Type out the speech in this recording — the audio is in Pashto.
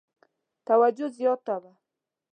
توجه زیاته وه.